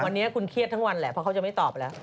วันนี้คุณเครียดทั้งวันแหละเพราะเขาจะไม่ตอบแล้ว